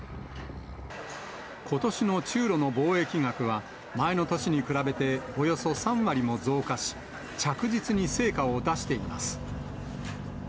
ことしの中ロの貿易額は、前の年に比べて、およそ３割も増加し、着実に成果を出しています。